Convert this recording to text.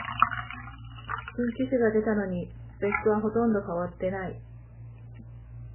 新機種が出たのにスペックはほとんど変わってない